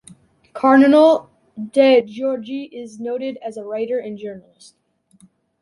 Cardinal De Giorgi is noted as a writer and journalist.